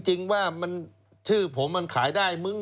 จริงว่าชื่อผมมันขายได้มึง